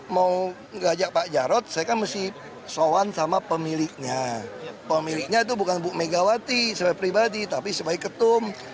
mau ngajak pak jarod saya kan mesti sowan sama pemiliknya pemiliknya itu bukan bu megawati saya pribadi tapi sebagai ketum